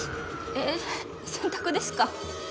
えっ洗濯ですか？